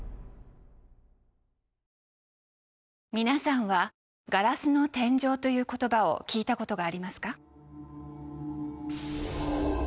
皆さんは「ガラスの天井」という言葉を聞いたことがありますか？